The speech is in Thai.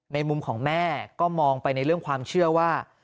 มุมของแม่ก็มองไปในเรื่องความเชื่อว่า